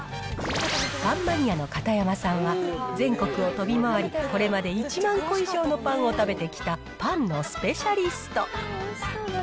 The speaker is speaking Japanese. パンマニアの片山さんは、全国を飛び回り、これまで１万個以上のパンを食べてきた、パンのスペシャリスト。